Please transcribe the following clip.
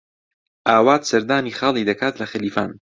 ئاوات سەردانی خاڵی دەکات لە خەلیفان.